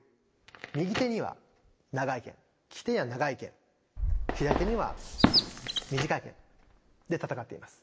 右手には長い剣利き手には長い剣左手には短い剣で戦っています。